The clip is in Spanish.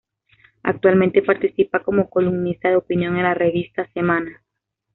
Actualmente participa como columnista de opinión en la Revista Semana.